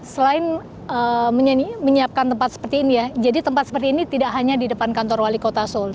selain menyiapkan tempat seperti ini ya jadi tempat seperti ini tidak hanya di depan kantor wali kota seoul